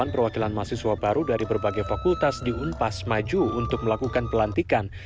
delapan perwakilan mahasiswa baru dari berbagai fakultas di unpas maju untuk melakukan pelantikan